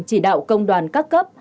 chỉ đạo công đoàn các cấp